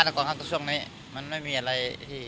แล้วเพราะตัวส่วนไหนมันไม่มีอะไร